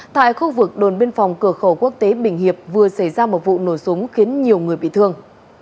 tại khu vực đồn biên phòng cửa khẩu quốc tế bình hiệp vừa xảy ra một vụ nổ súng khiến nhiều người bị thương